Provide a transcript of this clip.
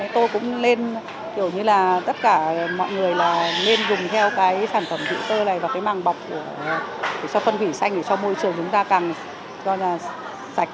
tôi cũng lên kiểu như là tất cả mọi người là nên dùng theo cái sản phẩm chất hữu cơ này và cái mảng bọc cho phân hủy xanh để cho môi trường chúng ta càng sạch